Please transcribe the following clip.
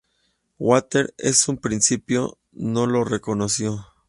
Waters en un principio no le reconoció.